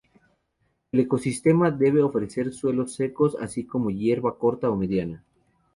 El ecosistema debe ofrecer suelos secos así como hierba corta o mediana.